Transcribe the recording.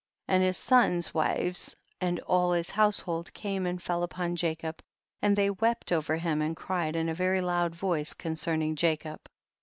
24. And his sons' wives and all his household came and fell upon Jacob, and they wept over him, and cried in a very loud voice concerning Jacob.